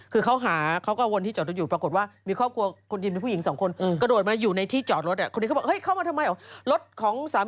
แต่อัเนี่ยเป็นคนจีนแล้วก็บอกว่า